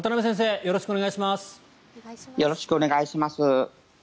よろしくお願いします。